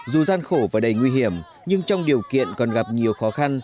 dù gian khổ và đầy nguy hiểm nhưng trong điều kiện còn gặp nhiều khó khăn